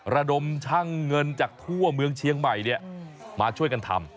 ระดมช่างเงินจากทั่วเมืองเชียงใหม่มาช่วยกันทำ